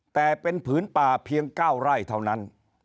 แต่เป็นผืนป่าเพียง๙ไร่เท่านั้น